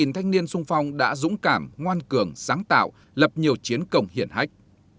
thanh niên sung phong đã dũng cảm ngoan cường sáng tạo lập nhiều chiến cộng hiển hách